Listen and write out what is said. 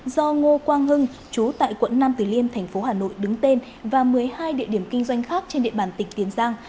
do ngô quang hưng chú tại quận nam từ liêm thành phố hà nội đứng tên và một mươi hai địa điểm kinh doanh khác trên địa bàn tỉnh tiền giang